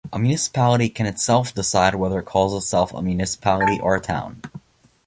A municipality can itself decide whether it calls itself a municipality or a town.